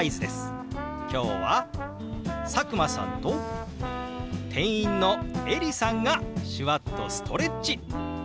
今日は佐久間さんと店員のエリさんが手話っとストレッチ！